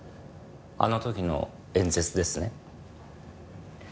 あの時の演説ですね？